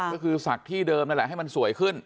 ก็คือศักดิ์ที่เดิมนั่นแหละให้มันสวยขึ้น